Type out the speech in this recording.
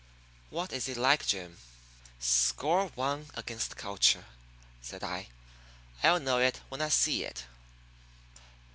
What is it like, Jim?" "Score one against culture," said I. "I'll know it when I see it."